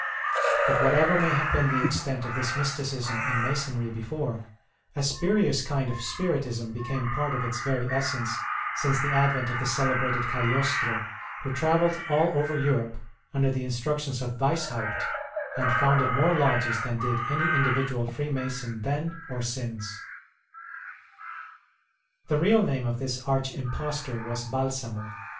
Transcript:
But whatever may have been the extent of this mysticism in Masonry before, a spurious kind of spiritism became part of its very essence since the advent of the celebrated Cagliostro, who travelled all over Europe under the instructions of Weishaupt, and founded more lodges than did any individual Freemason then or since. The real name of this arch impostor was Balsamo.